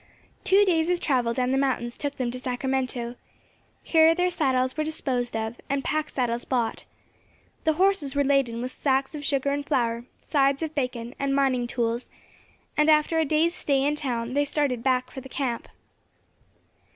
Two days of travel down the mountains took them to Sacramento. Here their saddles were disposed of, and pack saddles bought. The horses were laden with sacks of sugar and flour, sides of bacon, and mining tools, and after a day's stay in town, they started back for the camp.